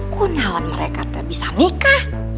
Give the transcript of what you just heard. kok nawan mereka bisa nikah